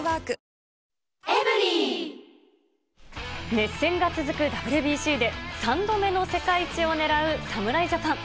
熱戦が続くＷＢＣで、３度目の世界一をねらう侍ジャパン。